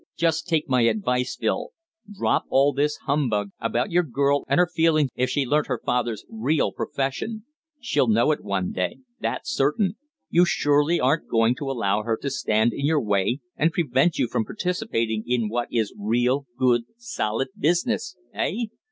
Just take my advice, Phil. Drop all this humbug about your girl and her feelings if she learnt her father's real profession. She'll know it one day, that's certain. You surely aren't going to allow her to stand in your way and prevent you from participating in what is real good solid business eh?